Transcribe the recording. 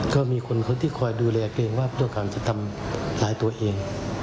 ก็มีคนที่คอยดูแลเกรงว่าผู้ต้องหาทั่วไปจะทำร้ายตัวเอง